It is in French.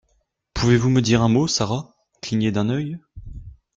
Pouvez-vous me dire un mot, Sara? Cligner d’un œil ?